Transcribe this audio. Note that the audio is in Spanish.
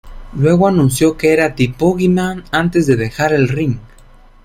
Luego anunció que era "The Boogeyman" antes de dejar el ring.